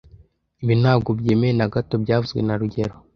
Ibi ntabwo byemewe na gato byavuzwe na rugero